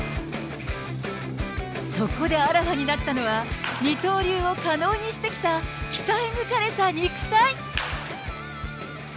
そこであらわになったのは、二刀流を可能にしてきた鍛え抜かれた肉体。